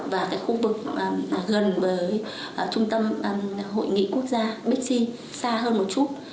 và cái khu vực gần với trung tâm hội nghị quốc gia bixi xa hơn một chút